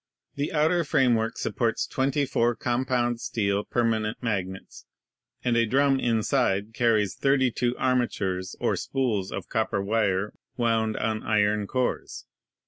The outer framework supports twenty four com pound steel permanent magnets, and a drum inside car ries thirty two armatures or spools of copper wire wound on iron cores.